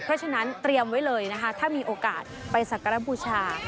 เพราะฉะนั้นเตรียมไว้เลยนะคะถ้ามีโอกาสไปสักการบูชา